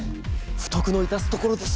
不徳の致すところです。